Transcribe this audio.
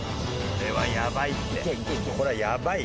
これはやばいよ。